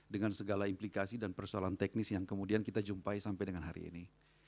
dengan segala implikasi dan persoalan teknis yang kemudian kita jumpai sampai dengan hari ini